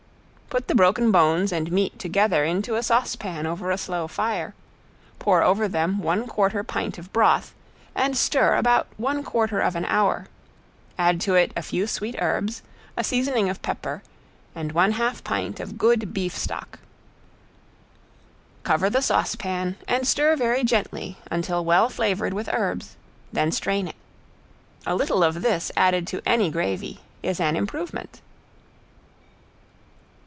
Put the broken bones and meat together into a saucepan over a slow fire, pour over them one quarter pint of broth, and stir about one quarter of an hour, add to it a few sweet herbs, a seasoning of pepper and one half pint of good beef stock. Cover the saucepan and stir very gently until well flavored with herbs, then strain it. A little of this added to any gravy is an improvement.